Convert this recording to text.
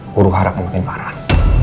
kuruh harap akan makin parah